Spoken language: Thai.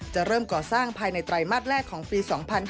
เริ่มก่อสร้างภายในไตรมาสแรกของปี๒๕๕๙